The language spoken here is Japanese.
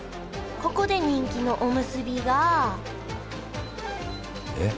ここで人気のおむすびがえっ？